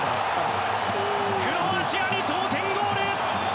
クロアチアに同点ゴール！